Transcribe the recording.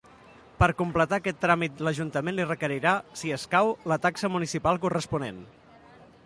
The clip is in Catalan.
Per completar aquest tràmit l'ajuntament li requerirà, si escau, la taxa municipal corresponent.